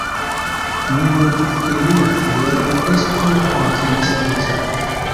Nur ilia fiero estu kontentigita.